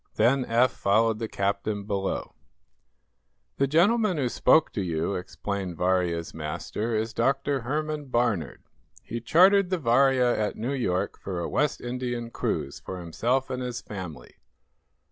Then Eph followed the captain below. "The gentleman who spoke to you," explained Varia's master, "is Dr. Herman Barnard. He chartered the 'Varia' at New York for a West Indian cruise for himself and his family.